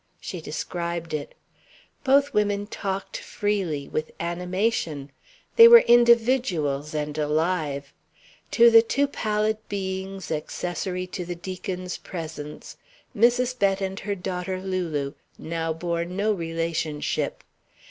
She described it. Both women talked freely, with animation. They were individuals and alive. To the two pallid beings accessory to the Deacons' presence, Mrs. Bett and her daughter Lulu now bore no relationship.